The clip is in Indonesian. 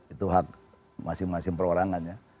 itu hak masing masing perorangannya